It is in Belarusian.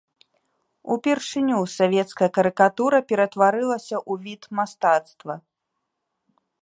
Упершыню савецкая карыкатура ператварылася ў від мастацтва.